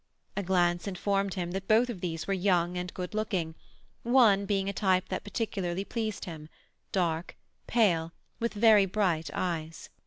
A glance informed him that both of these were young and good looking, one being a type that particularly pleased him—dark, pale, with very bright eyes.